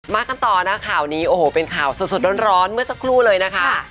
กันต่อนะข่าวนี้โอ้โหเป็นข่าวสดร้อนเมื่อสักครู่เลยนะคะ